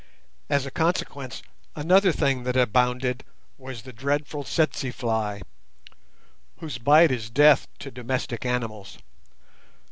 As a consequence, another thing that abounded was the dreadful tsetse fly, whose bite is death to domestic animals.